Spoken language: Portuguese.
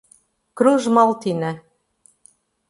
Cruzmaltina